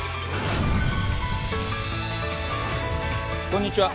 こんにちは。